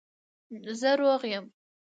زه روغ یم